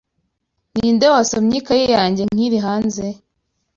Ninde wasomye ikayi yanjye nkiri hanze?